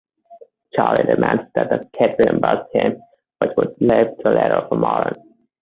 Charlie demands that the Kid reimburse him, which would leave too little for Moran.